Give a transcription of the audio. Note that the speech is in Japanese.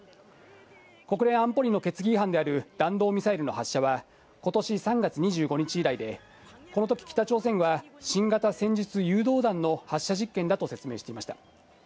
国連安保理の決議違反である弾道ミサイルの発射は、ことし３月２５日以来で、このとき、北朝鮮は新型戦術誘導弾の発射実験だと説明していました。